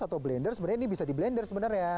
atau blender sebenarnya ini bisa di blender sebenarnya